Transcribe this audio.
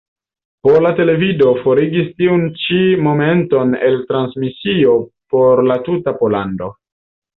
Pola Televido forigis tiun ĉi momenton el transmisio por la tuta Pollando.